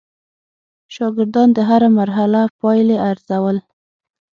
شاګردان د هره مرحله پایلې ارزول.